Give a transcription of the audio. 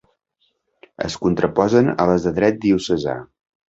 Es contraposen a les de dret diocesà.